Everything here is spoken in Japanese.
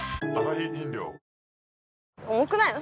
重くないの？